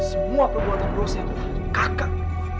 semua perbuatan dosa yang telah kakak